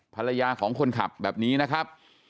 ภรรยาของคนขับแบบนี้นะครับ